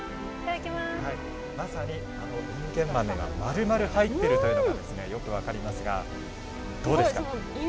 まさに、いんげん豆がまるまる入っているというのがよく分かります。